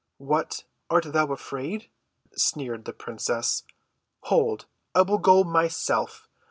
"What, art thou afraid?" sneered the princess. "Hold, I will go myself.